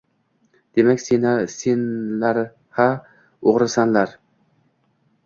Demak senlar ha o‘g‘risanlar!